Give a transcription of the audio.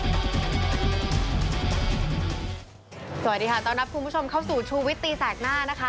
สวัสดีค่ะต้อนรับคุณผู้ชมเข้าสู่ชูวิตตีแสกหน้านะคะ